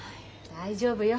大丈夫よ。